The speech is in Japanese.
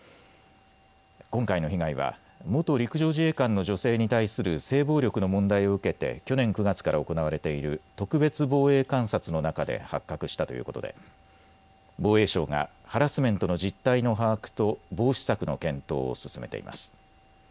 今回の被害は元陸上自衛官の女性に対する性暴力の問題を受けて去年９月から行われている特別防衛監察の中で発覚したということで防衛省がハラスメントの実態の把握と防止策の検討を進めています。